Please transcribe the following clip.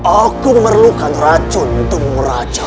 aku memerlukan racun temuraja